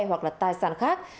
hoặc là tài sản khác